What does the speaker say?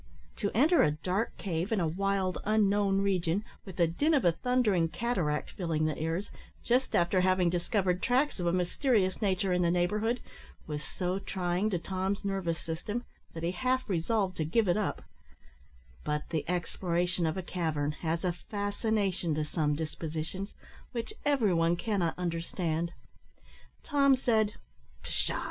To enter a dark cave, in a wild, unknown region, with the din of a thundering cataract filling the ears, just after having discovered tracks of a mysterious nature in the neighbourhood, was so trying to Tom's nervous system, that he half resolved to give it up; but the exploration of a cavern has a fascination to some dispositions which every one cannot understand. Tom said "Pshaw!"